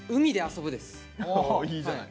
いいじゃない。